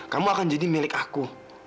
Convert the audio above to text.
kamu akan jadi milik aku